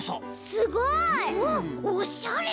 すごい！おしゃれ！